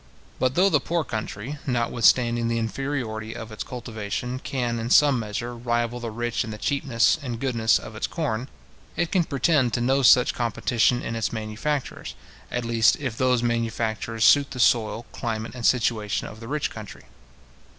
But though the poor country, notwithstanding the inferiority of its cultivation, can, in some measure, rival the rich in the cheapness and goodness of its corn, it can pretend to no such competition in its manufactures, at least if those manufactures suit the soil, climate, and situation, of the rich country.